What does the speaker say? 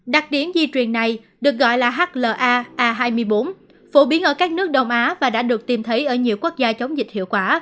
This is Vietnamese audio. đặc điểm di truyền này được gọi là hla a hai mươi bốn phổ biến ở các nước đông á và đã được tìm thấy ở nhiều quốc gia chống dịch hiệu quả